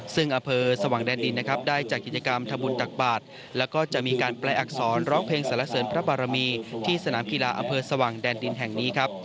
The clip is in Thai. ซึ่งอำเภอสว่างแดนดินนะครับได้จัดกิจกรรมทำบุญตักบาทแล้วก็จะมีการแปลอักษรร้องเพลงสารเสริญพระบารมีที่สนามกีฬาอำเภอสว่างแดนดินแห่งนี้ครับ